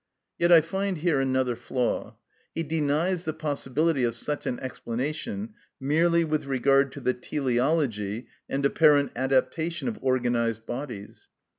Yet I find here another flaw. He denies the possibility of such an explanation merely with regard to the teleology and apparent adaptation of organised bodies.